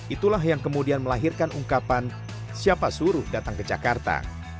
itulah yang kemudian melahirkan ungkapan siapa suruh datang ke jakarta